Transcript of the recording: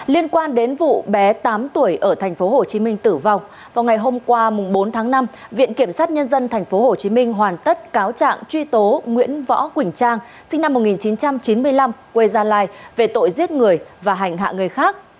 liên quan đến vụ bé tám tuổi ở tp hcm tử vong vào ngày hôm qua bốn tháng năm viện kiểm sát nhân dân tp hcm hoàn tất cáo trạng truy tố nguyễn võ quỳnh trang sinh năm một nghìn chín trăm chín mươi năm quê gia lai về tội giết người và hành hạ người khác